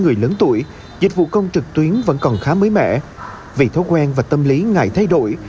người lớn tuổi dịch vụ công trực tuyến vẫn còn khá mới mẻ vì thói quen và tâm lý ngại thay đổi